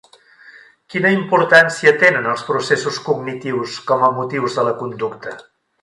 Quina importància tenen els processos cognitius com a motius de la conducta?